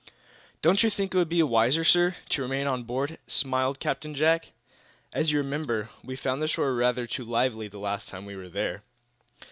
"Don't you think it would be wiser, sir, to remain on board?" smiled Captain Jack. "As you will remember, we found the shore rather too lively the last time we were there."